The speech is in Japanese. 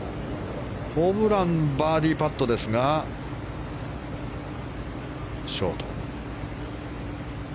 ホブランバーディーパットはショート。